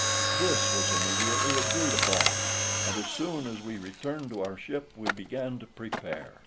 This was immediately agreed upon, and, as soon as we returned to our ship, we began to prepare.